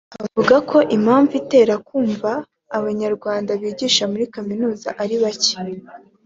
Avuga ko impamvu itera kuba abanyarwanda bigisha muri Kaminuza ari bacye